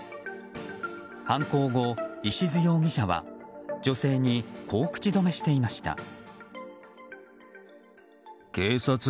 犯行後、石津容疑者は女性にこう口止めしていました。